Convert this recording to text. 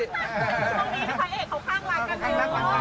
ตรงนี้นักภายเอกเขาข้างลักกันเลย